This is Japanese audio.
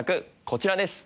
こちらです！